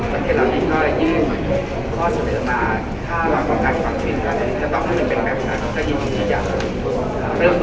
พอไปใช้หน้าที่โดนก็ทำสำหรับว่าเป็นการทำเครื่องเลยนะครับ